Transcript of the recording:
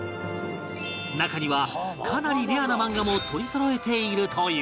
中にはかなりレアな漫画も取りそろえているという